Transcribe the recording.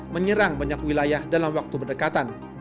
menyerang banyak wilayah dalam waktu berdekatan